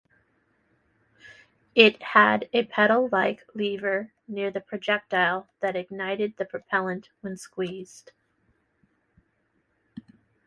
It had a pedal-like lever near the projectile that ignited the propellant when squeezed.